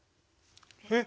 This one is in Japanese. えっ。